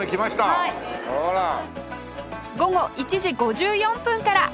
午後１時５４分から